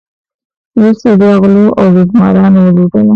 وروسته بیا غلو او لوټمارانو ولوټله.